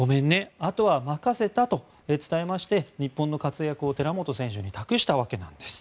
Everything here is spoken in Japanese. あとは任せたと伝えまして日本の活躍を寺本選手に託したわけなんです。